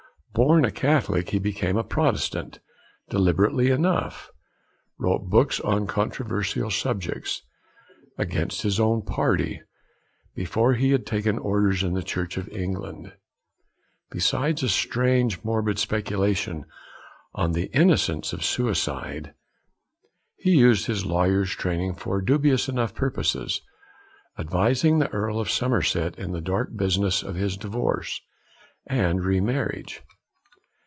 Born a Catholic, he became a Protestant, deliberately enough; wrote books on controversial subjects, against his old party, before he had taken orders in the Church of England; besides a strange, morbid speculation on the innocence of suicide. He used his lawyer's training for dubious enough purposes, advising the Earl of Somerset in the dark business of his divorce and re marriage.